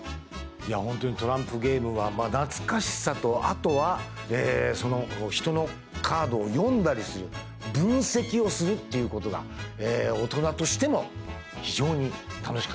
本当にトランプゲームは懐かしさとあとは人のカードを読んだりする分析をするっていうことが大人としても非常に楽しかった。